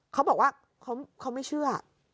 เขาบอกว่าเขาไม่เชื่อ